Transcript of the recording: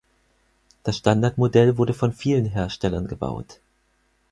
Das Standardmodell wurde von vielen Herstellern gebaut.